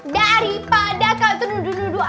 daripada kau duduk duduk